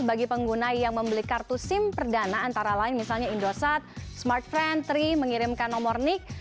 bagi pengguna yang membeli kartu sim perdana antara lain misalnya indosat smartfren tiga mengirimkan nomor nick